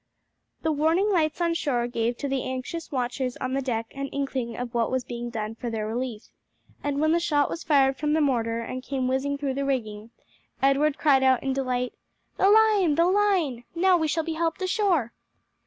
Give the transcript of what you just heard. The warning lights on shore gave to the anxious watchers on the deck an inkling of what was being done for their relief, and when the shot was fired from the mortar and came whizzing through the rigging, Edward cried out in delight. "The line, the line! Now we shall be helped ashore!"